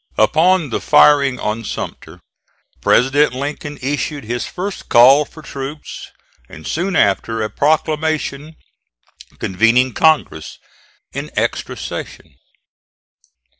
Upon the firing on Sumter President Lincoln issued his first call for troops and soon after a proclamation convening Congress in extra session.